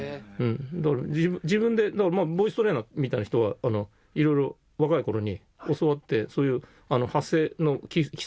だから自分でボイストレーナーみたいな人はいろいろ若い頃に教わってそういう発声の基礎みたいな事は。